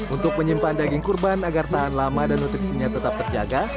untuk menyimpan daging kurban agar tahan lama dan nutrisinya tetap terjaga